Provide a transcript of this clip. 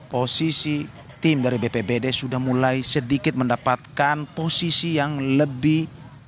posisi tim dari bpbd sudah mulai sedikit mendapatkan posisi yang lebih